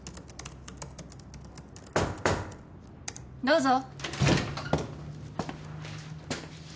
・どうぞ。